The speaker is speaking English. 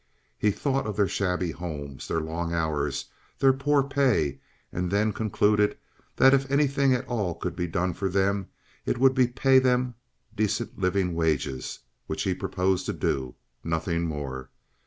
He thought of their shabby homes, their long hours, their poor pay, and then concluded that if anything at all could be done for them it would be pay them decent living wages, which he proposed to do—nothing more.